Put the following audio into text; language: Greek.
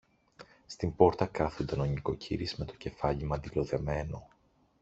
Στην πόρτα κάθουνταν ο νοικοκύρης με το κεφάλι μαντιλοδεμένο